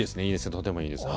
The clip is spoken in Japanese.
とてもいいです。